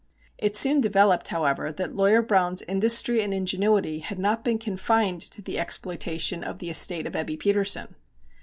It soon developed, however, that lawyer Browne's industry and ingenuity had not been confined to the exploitation of the estate of Ebbe Petersen.